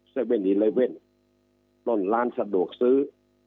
ต้นร้านสะดวกซื้อ